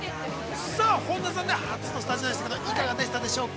◆さあ本田さん、初のスタジオでしたけどいかがでしたでしょうか。